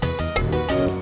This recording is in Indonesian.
ya ada tiga orang